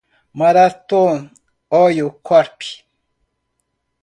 Marathon Oil Corp.